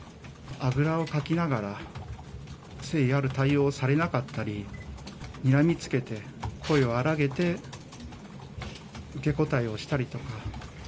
あぐらをかきながら、誠意ある対応をされなかったり、にらみつけて、声を荒げて、受け答えをしたりとか。